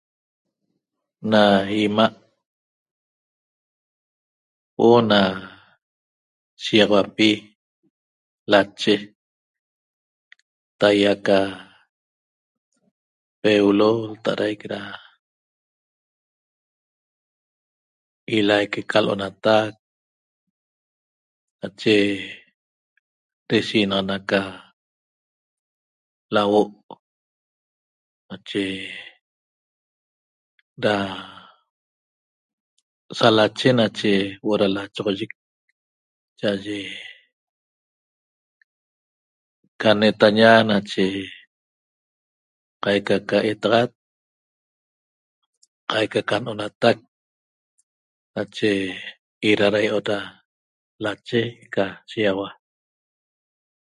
Na 'ima' huo'o na shiýaxauapi lache taýa ca peulo lta'adaic da ilaique ca l'onatac nache deshijnaxana ca lauo' nache da sa lachec nache huo'o da lachoxoyic cha'aye ca netaña nache qaica ca etaxat qaica ca n'onatac nache eda da i'ot da lache ca shiýaxaua